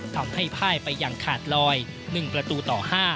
ทำให้พ่ายไปอย่างขาดลอย๑ประตูต่อ๕